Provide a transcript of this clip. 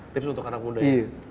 tips untuk anak muda ini